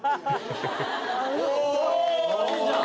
おいいじゃん！